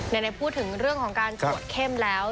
ไหนพูดถึงเรื่องของการตรวจเข้มแล้ว